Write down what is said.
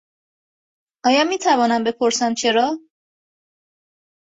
آیا میتوانم بپرسم چرا؟